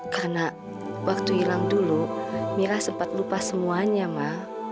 karena waktu hilang dulu mira sempat lupa semuanya ma